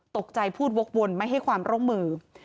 ตกใจพูดวกวนไม่ให้ความร่วมมือ